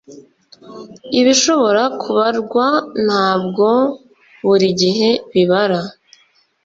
ibishobora kubarwa ntabwo buri gihe bibara.